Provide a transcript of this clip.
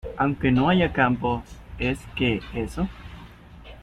aunque no haya campo? es que eso